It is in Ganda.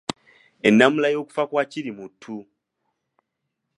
Ennamula y’okufa kwa Kirimuttu.